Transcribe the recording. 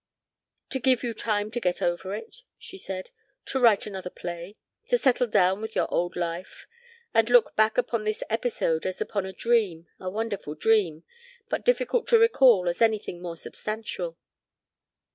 "To give you time to get over it," she said. "To write another play. To settle down into your old life and look back upon this episode as upon a dream, a wonderful dream, but difficult to recall as anything more substantial."